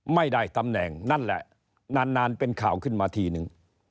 ไม่ได้ตำแหน่งนั่นแหละนานเป็นข่าวขึ้นมาทีนึง